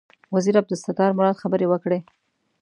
وزیر عبدالستار مراد خبرې وکړې.